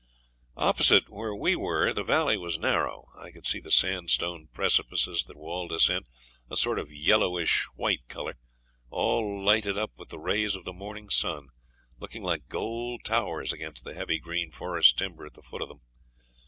Opposite where we were the valley was narrow. I could see the sandstone precipices that walled us in, a sort of yellowish, white colour, all lighted up with the rays of the morning sun, looking like gold towers against the heavy green forest timber at the foot of them.